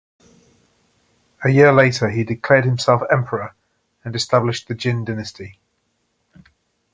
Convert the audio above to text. A year later, he declared himself emperor and established the Jin dynasty.